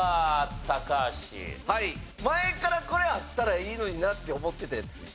前からこれあったらいいのになって思ってたやつ。